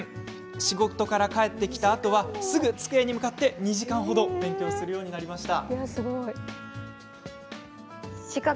仕事から帰ってきたあとはすぐ机に向かって２時間ほど勉強するようになりました。